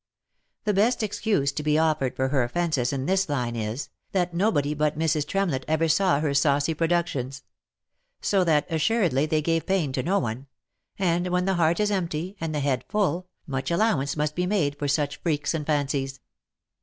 The best excuse to be offered for her offences in this line is, that nobody but Mrs. Tremlett ever saw her saucy productions ; so that assuredly they gave pain to no one — and when the heart is empty, and the head full, much allowance must be made for such freaks and fancies.